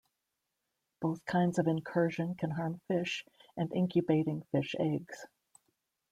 Both kinds of incursion can harm fish and incubating fish eggs.